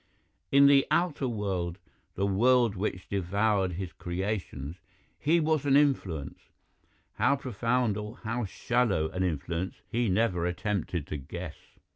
In the outer world, the world which devoured his creations, he was an influence; how profound or how shallow an influence he never attempted to guess.